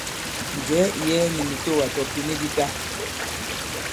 Njɛ̀ɛ ì yɛɛ nì mìtoà, tɔ̀ ìpìni di ta.